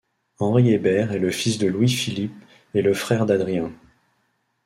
Henri Hébert est le fils de Louis-Philippe et le frère d'Adrien.